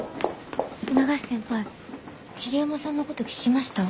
永瀬先輩桐山さんのこと聞きました？